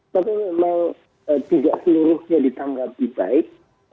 tapi memang tidak seluruhnya ditanggapi baik